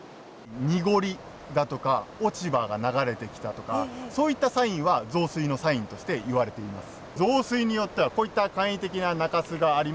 濁りだとか落ち葉が流れてきたとかそういったサインは増水のサインとして言われています。